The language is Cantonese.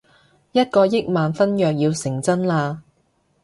一個億萬婚約要成真喇